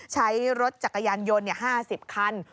ใช้รถจักรยานยนต์๕๐คัน